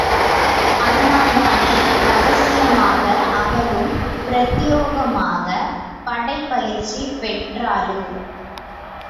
அதனால்தானே ரகசியமாக அவளும் பிரத்யேகமாக படைப்பயிற்சி பெற்றாளோ?